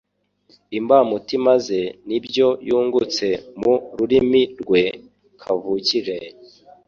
imbamutima ze n'ibyo yungutse. Mu rurimi rwe kavukire,